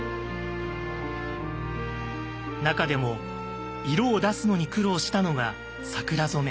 中でも色を出すのに苦労したのが「桜染め」。